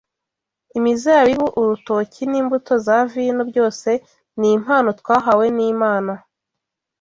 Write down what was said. Imizabibu [urutoki] n’imbuto za vino byose ni impano twahawe n’Imana